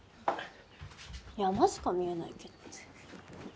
山しか見えないけど。